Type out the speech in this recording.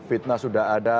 fitnah sudah ada